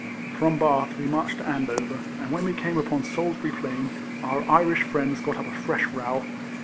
From Bath we marched to Andover, and when we came upon Salisbury Plain, our Irish friends got up a fresh row.